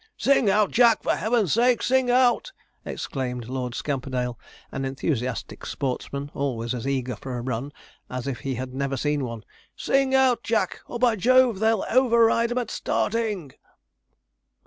'Sing out, Jack! for heaven's sake, sing out!' exclaimed Lord Scamperdale; an enthusiastic sportsman, always as eager for a run as if he had never seen one. 'Sing out, Jack; or, by Jove, they'll override 'em at starting!'